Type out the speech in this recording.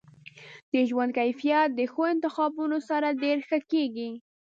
د ژوند کیفیت د ښو انتخابونو سره ډیر ښه کیږي.